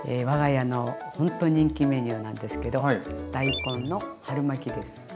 我が家のほんと人気メニューなんですけど大根の春巻です。